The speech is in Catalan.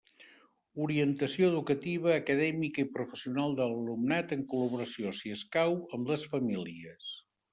Orientació educativa, acadèmica i professional de l'alumnat en col·laboració, si escau, amb les famílies.